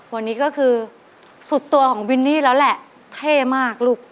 วันนี้ก็คือสุดตัวของวินนี่แล้วแหละเท่มากลูก